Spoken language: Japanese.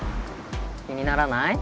気にならない？